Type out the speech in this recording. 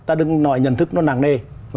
ta đừng nói nhận thức nó nặng nề